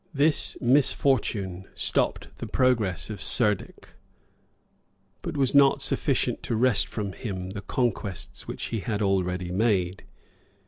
[] This misfortune stopped the progress of Cerdic; but was not sufficient to wrest from him the conquests which he had already made.